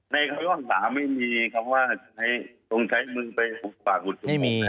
ในคำว่าสารไม่มีคำว่าต้องใช้มือไปอุดปากอุดจมูกแน่